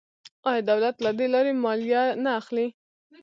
آیا دولت له دې لارې مالیه نه اخلي؟